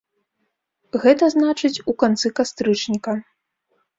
Гэта значыць, у канцы кастрычніка.